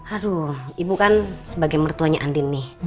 aduh ibu kan sebagai mertuanya andin nih